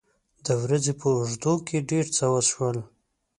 د ورځې په اوږدو کې ډېر څه وشول.